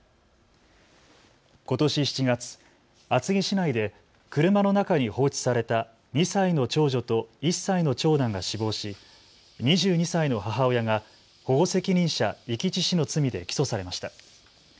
ことし７月、厚木市内で車の中に放置された２歳の長女と１歳の長男が死亡し、２２歳の母親が保護責任者遺棄致死の罪で起訴されました。